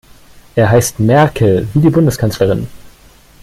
Er heißt Merkel, wie die Bundeskanzlerin.